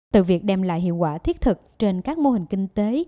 từ việc đem lại hiệu quả thiết thực trên các mô hình kinh tế